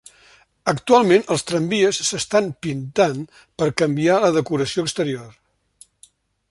Actualment els tramvies s'estan pintant per canviar la decoració exterior.